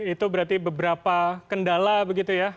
itu berarti beberapa kendala begitu ya